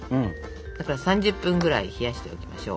だから３０分ぐらい冷やしておきましょう。